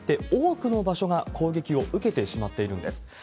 多くの場所が攻撃を受けてしまっているんです。